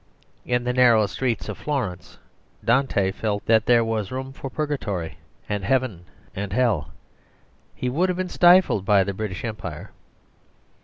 In the narrow streets of Florence Dante felt that there was room for Purgatory and Heaven and Hell. He would have been stifled by the British Empire.